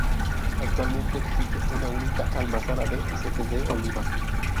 Actualmente existe una única almazara de aceite de oliva.